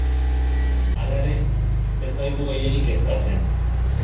Hala ere, ez gaitu gehiegi kezkatzen.